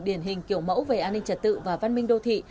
điển hình kiểu mẫu về an ninh trật tự và văn minh đô thị